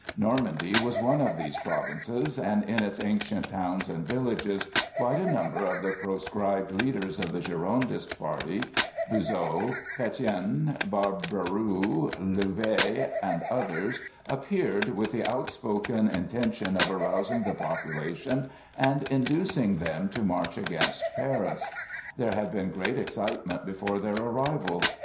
Normandy was one of these provinces, and in its ancient towns and villages quite a number of the proscribed leaders of the Girondist party—Buzot, Pétion, Barbaroux, Louvet and others—appeared with the outspoken intention of arousing the population and inducing them to march against Paris. There had been great excitement before their arrival.